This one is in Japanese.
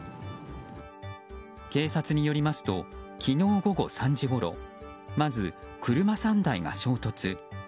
警察によりますと昨日午後３時ごろまず車３台が衝突。